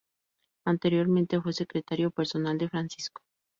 Anteriormente fue secretario personal de Francisco.